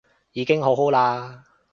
已經好好啦